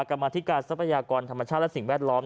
กรรมธิการทรัพยากรธรรมชาติและสิ่งแวดล้อม